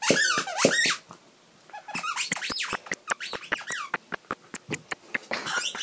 This is the largest outlet outside of Dublin city centre and Cork.